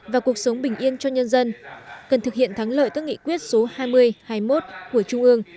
và cuộc sống bình yên cho nhân dân cần thực hiện thắng lợi các nghị quyết số hai mươi hai mươi một của trung ương